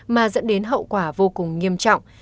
mà dẫn đến hậu quả vô cùng nghiêm trọng